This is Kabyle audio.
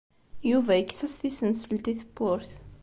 Yuba yekkes-as tisenselt i tewwurt.